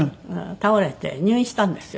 倒れて入院したんですよ。